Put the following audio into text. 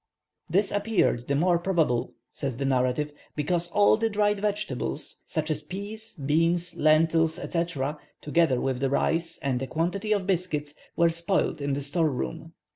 "This appeared the more probable," says the narrative, "because all the dried vegetables, such as peas, beans, lentils, &c., together with the rice, and a quantity of biscuits, were spoiled in the store room.